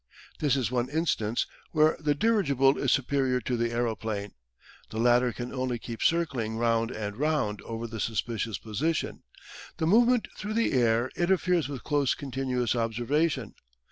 This is one instance where the dirigible is superior to the aeroplane. The latter can only keep circling round and round over the suspicious position; the movement through the air interferes with close continuous observation.